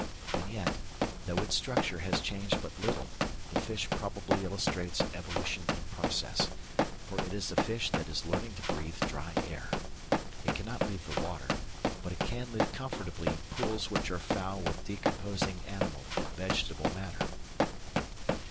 And yet, though its structure has changed but little, the fish probably illustrates evolution in process, for it is a fish that is learning to breathe dry air. It cannot leave the water; but it can live comfortably in pools which are foul with decomposing animal and vegetable matter.